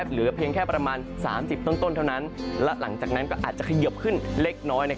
เหลือเพียงแค่ประมาณ๓๐ต้นเท่านั้นและหลังจากนั้นก็อาจจะเขยิบขึ้นเล็กน้อย